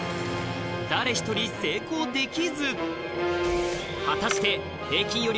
誰１人成功できず果たして平均値は。